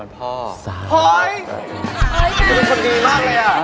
คุณเป็นชาวดีมากเลยอะ